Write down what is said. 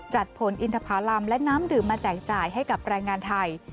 ผลอินทภารำและน้ำดื่มมาแจกจ่ายให้กับแรงงานไทย